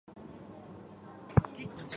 弗格森于斯德哥尔摩市中心的区长大。